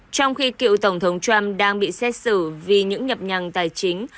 trong khi cựu tổng thống trump đang bị xét xử vì những nhập nhằng tài chính